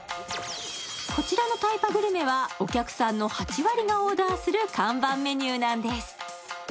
こちらのタイパグルメはお客さんの８割がオーダーする看板メニューなんです。